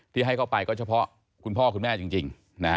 ที่ให้เข้าไปก็เฉพาะคุณพ่อคุณแม่จริง